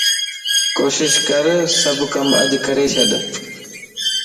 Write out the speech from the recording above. ڪوشش ڪر سڀ اڄ ڪم ڪري ڇڏ